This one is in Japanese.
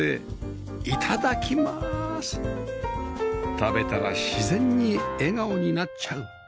食べたら自然に笑顔になっちゃう